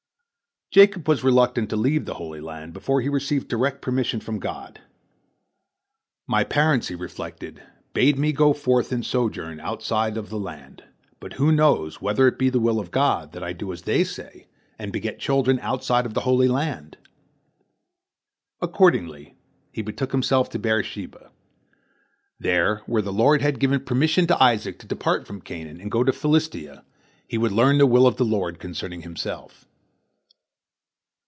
" Jacob was reluctant to leave the Holy Land before he received direct permission from God. "My parents," he reflected, "bade me go forth and sojourn outside of the land, but who knows whether it be the will of God that I do as they say, and beget children outside of the Holy Land?" Accordingly, he betook himself to Beer sheba. There, where the Lord had given permission to Isaac to depart from Canaan and go to Philistia, he would learn the will of the Lord concerning himself.